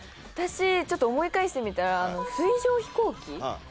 私ちょっと思い返してみたらあの水上飛行機？